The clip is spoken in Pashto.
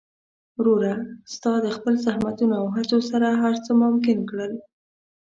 وروره! ستا د خپل زحمتونو او هڅو سره هر څه ممکن کړل.